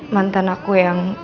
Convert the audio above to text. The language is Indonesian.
mantan aku yang